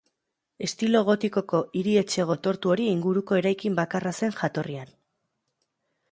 Estilo gotikoko hiri-etxe gotortu hori inguruko eraikin bakarra zen jatorrian.